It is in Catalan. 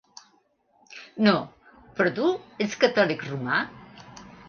No, però tu ets catòlic romà?